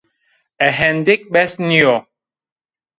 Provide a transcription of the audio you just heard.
Ehendêk bes nîyo?